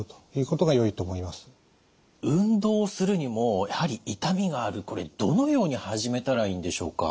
運動するにもやはり痛みがあるこれどのように始めたらいいんでしょうか。